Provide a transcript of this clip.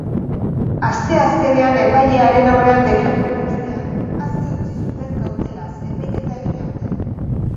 Asteazkenean epailearen aurreran deklaratu ostean, aske utzi zuten kautelaz epaiketa egin arte.